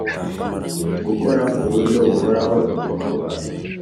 Gukora ku buryo buhoraho igikorwa